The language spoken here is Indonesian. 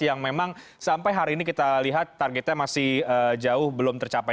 yang memang sampai hari ini kita lihat targetnya masih jauh belum tercapai